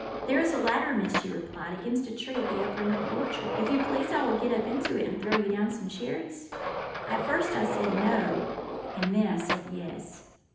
"'There is a ladder, Miss,' she replied, 'against a tree at the upper end of the orchard. If you please, I will get up into it and throw you down some cherries.' "At first I said 'No,' and then I said 'Yes.'